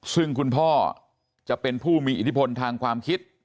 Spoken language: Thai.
ซึ่งคุณพ่อจะเป็นผู้มีอิทธิพลทางความคิด